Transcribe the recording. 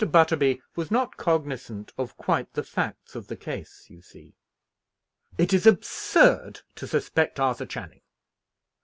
Butterby was not cognizant of quite the facts of the case, you see. "It is absurd to suspect Arthur Channing."